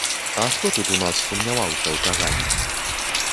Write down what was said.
А хто тут у нас сумняваўся ў кагане?